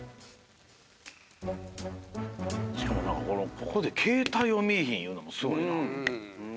ここで携帯を見いひんいうのもすごいな。